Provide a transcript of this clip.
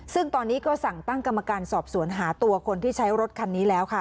ซึ่งตอนนี้ก็สั่งตั้งกรรมการสอบสวนหาตัวคนที่ใช้รถคันนี้แล้วค่ะ